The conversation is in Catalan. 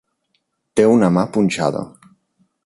Té una mà punxada.